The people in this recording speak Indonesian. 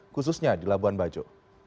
khususnya di labuan bajo